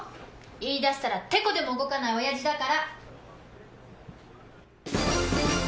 言い出したらテコでも動かないオヤジだから。